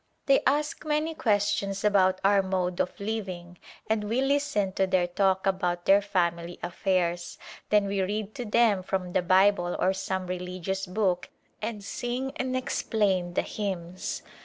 They ask many questions about our mode of living and we listen to their talk about their family affairs, then we read to them from the Bible or some religious book and sing and explain the hymns.